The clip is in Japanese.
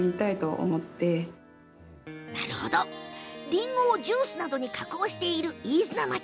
りんごをジュースなどに加工している飯綱町。